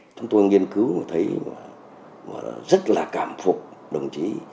chúng tôi nghiên cứu thấy rất là cảm phục đồng chí